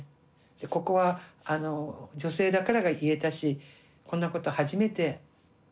ここは女性だから言えたしこんなこと初めて。